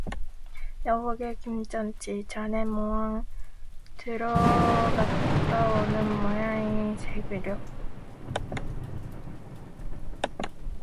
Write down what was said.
여보게 김첨지, 자네 문안 들어갔다 오는 모양일세그려.